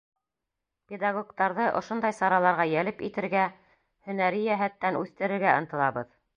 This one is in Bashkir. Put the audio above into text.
Педагогтарҙы ошондай сараларға йәлеп итергә, һөнәри йәһәттән үҫтерергә ынтылабыҙ.